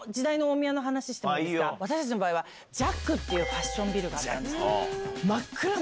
私たちの場合は ＪＡＣＫ っていうファッションビルがあったんです。